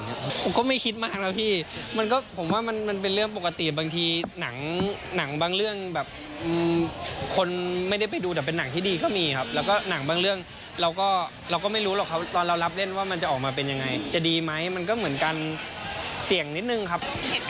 ผมก็ไม่คิดมากนะพี่มันก็ผมว่ามันเป็นเรื่องปกติบางทีหนังบางเรื่องแบบคนไม่ได้ไปดูแต่เป็นหนังที่ดีก็มีครับแล้วก็หนังบางเรื่องเราก็เราก็ไม่รู้หรอกครับตอนเรารับเล่นว่ามันจะออกมาเป็นยังไงจะดีไหมมันก็เหมือนกันเสี่ยงนิดนึงครับ